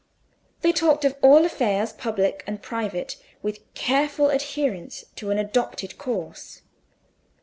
They talked of all affairs, public and private, with careful adherence to an adopted course.